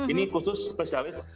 ini khusus spesialis